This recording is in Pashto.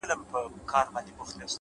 موخه لرونکی ذهن د ګډوډۍ نه وځي،